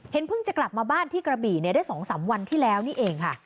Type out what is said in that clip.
เพิ่งจะกลับมาบ้านที่กระบี่ได้๒๓วันที่แล้วนี่เองค่ะ